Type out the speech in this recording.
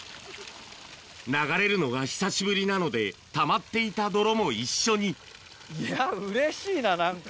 流れるのが久しぶりなのでたまっていた泥も一緒にいやうれしいな何か。